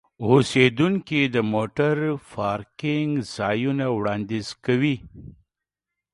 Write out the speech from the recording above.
اوسیدونکي د موټر پارکینګ ځایونه وړاندیز کوي.